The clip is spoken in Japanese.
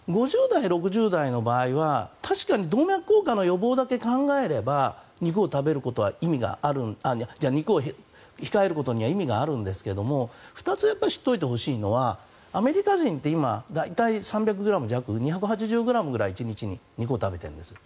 ５０代、６０代の場合は確かに動脈硬化の予防だけを考えれば肉を控えることには意味があるんですが２つ知っておいてほしいのはアメリカ人って大体３００ｇ弱、２８０ｇぐらい１日に肉を食べているんですよ。